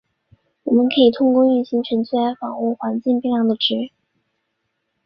我们可以通过运行程序来访问环境变量的值。